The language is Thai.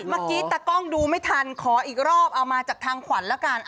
เมื่อกี้ตากล้องดูไม่ทันขออีกรอบเอามาจากทางขวัญละกัน